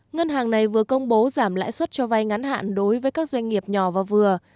ngân hàng này vừa công bố giảm lãi suất cho vay ngắn hạn đối với các doanh nghiệp nhỏ và vừa